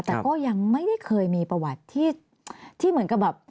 แต่ก็ยังไม่ได้เคยมีประวัติที่เหมือนกับแบบ